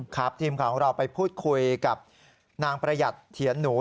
ครับทีมข่าวของเราไปพูดคุยกับนางประหยัดเถียนหนู